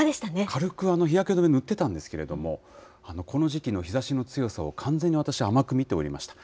軽く日焼け止め塗ってたんですけれども、この時期の日ざしの強さを完全に私、甘く見ておりました。